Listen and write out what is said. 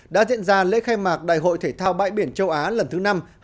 đã diễn ra lễ khai mạc đại hội thể thao bãi biển châu á lần thứ năm hai nghìn một mươi sáu